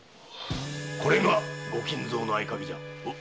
これが御金蔵の合鍵じゃ。